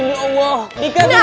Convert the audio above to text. dika tunggu dika